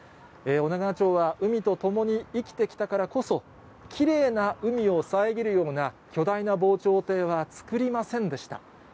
女川町は海とともに生きてきたからこそ、きれいな海を遮るような巨大な防潮堤は作りませんでした。